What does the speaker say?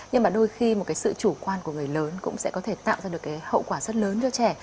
nhưng mà đôi khi một cái sự chủ quan của người lớn cũng sẽ có thể tạo ra được cái hậu quả rất lớn cho trẻ